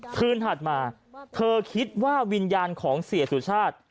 ถัดมาเธอคิดว่าวิญญาณของเสียสุชาติ